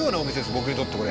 僕にとってこれ。